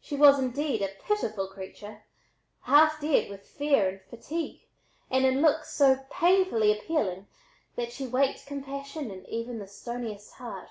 She was indeed a pitiful creature, half dead with fear and fatigue, and in looks so painfully appealing that she waked compassion in even the stoniest heart.